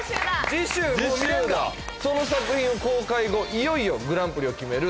次週だその作品を公開後いよいよグランプリを決める